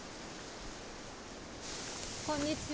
こんにちは。